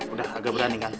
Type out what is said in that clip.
udah agak berani kan